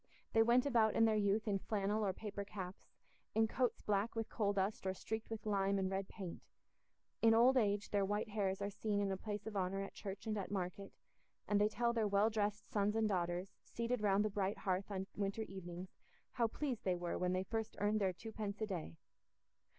They went about in their youth in flannel or paper caps, in coats black with coal dust or streaked with lime and red paint; in old age their white hairs are seen in a place of honour at church and at market, and they tell their well dressed sons and daughters, seated round the bright hearth on winter evenings, how pleased they were when they first earned their twopence a day.